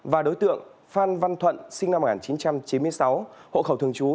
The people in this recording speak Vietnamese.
và đối tượng phan văn thuận sinh năm một nghìn chín trăm chín mươi sáu hộ khẩu thường trú